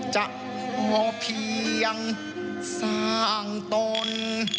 จะพอเพียงสร้างตน